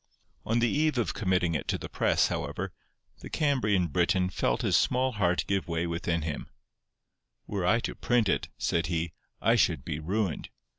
On the eve of committing it to the press, however, the Cambrian Briton felt his small heart give way within him: "Were I to print it," said he, "I should be ruined.